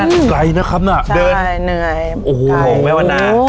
สุดไกลนะครับน่ะใช่เหนื่อยโอ้โหแม่วนะโห